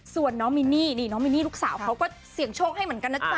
ส่วนน้องมินนี่ลูกสาวเขาก็เสี่ยงโชคให้เหมือนกันนะจ๊ะ